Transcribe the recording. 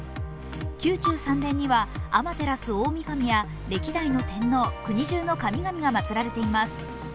宮中三殿には天照大御神や歴代の天皇、国中の神々がまつられています。